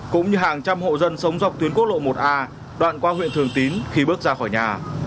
cũng như hàng trăm hộ dân sống dọc tuyến quốc lộ một a đoạn qua huyện thường tín khi bước ra khỏi nhà